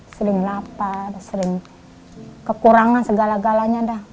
sering lapar sering kekurangan segala galanya dah